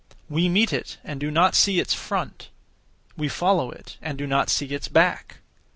We meet it and do not see its Front; we follow it, and do not see its Back.